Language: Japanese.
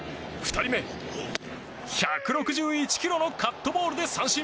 ２人目、１６１キロのカットボールで三振。